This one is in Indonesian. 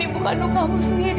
ibu kandung kamu sendiri